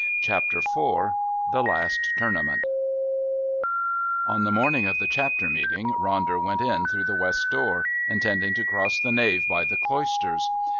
Chapter IV The Last Tournament On the morning of the Chapter Meeting Ronder went in through the West door, intending to cross the nave by the Cloisters.